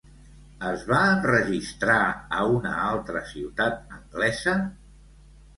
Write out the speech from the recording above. Es va enregistrar a una altra ciutat anglesa?